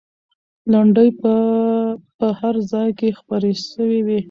لنډۍ به په هر ځای کې خپرې سوې وي.